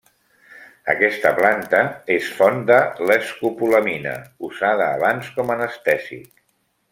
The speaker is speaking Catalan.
Aquesta planta és font de l'escopolamina, usada abans com anestèsic.